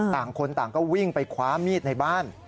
ต่างคนต่างก็วิ่งไปคว้ามีดในบ้าน